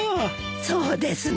そうですね。